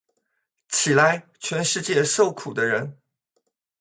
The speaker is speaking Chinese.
起来，全世界受苦的人！